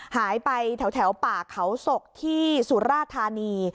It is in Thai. หายไปแถวป่าเขาศกที่สุราธานี